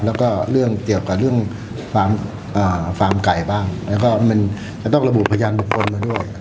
แล้วก็เรื่องเกี่ยวกับเรื่องฟาร์มไก่บ้างแล้วก็มันจะต้องระบุพยานบุคคลมาด้วย